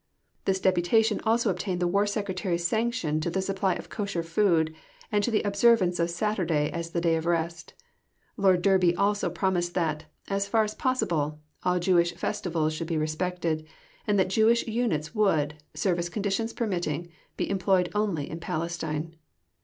This deputation also obtained the War Secretary's sanction to the supply of Kosher food, and to the observance of Saturday as the day of rest; Lord Derby also promised that, as far as possible, all Jewish festivals should be respected, and that Jewish units would, service conditions permitting, be employed only in Palestine.